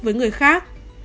với người khác